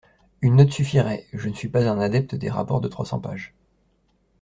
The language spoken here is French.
Une note suffirait – je ne suis pas un adepte des rapports de trois cents pages.